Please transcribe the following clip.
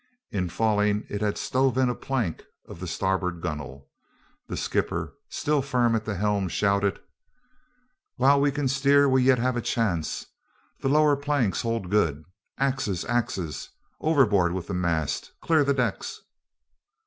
In falling it had stove in a plank of the starboard gunwale. The skipper, still firm at the helm, shouted, "While we can steer we have yet a chance. The lower planks hold good. Axes, axes! Overboard with the mast! Clear the decks!"